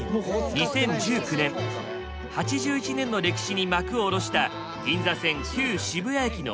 ２０１９年８１年の歴史に幕を下ろした銀座線旧渋谷駅のホーム。